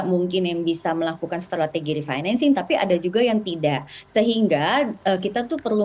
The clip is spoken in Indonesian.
mungkin yang bisa melakukan strategi di financing tapi ada juga yang tidak sehingga kita tuh perlu